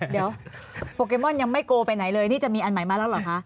เดี๋ยวโปเกมอนยังไม่โกลไปไหนเลยนี่จะมีอันใหม่มาแล้วเหรอคะ